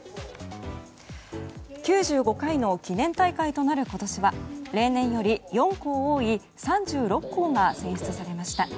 ９５回の記念大会となる今年は例年より４校多い３６校が選出されました。